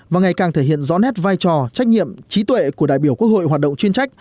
và ngày càng thể hiện rõ nét vai trò trách nhiệm trí tuệ của đại biểu quốc hội hoạt động chuyên trách